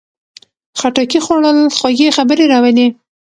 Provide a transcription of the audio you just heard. خټکی خوړل خوږې خبرې راولي.